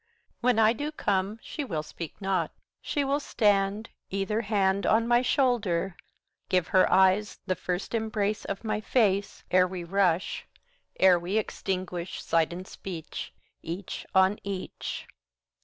When I do come, she will speak not, she will stand, Either hand On my shoulder, give her eyes the first embrace Of my face, 70 Ere we rush, ere we extinguish sight and speech Each on each.